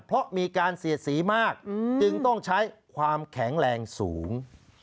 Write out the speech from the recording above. เพราะมีการเสียดสีมากจึงต้องใช้ความแข็งแรงสูง